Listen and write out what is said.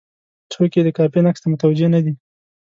څوک یې د قافیې نقص ته متوجه نه دي.